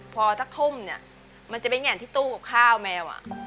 พอถ้าทุ่มเนี่ยมันจะไปแง่นที่ตู้กับข้าวแมว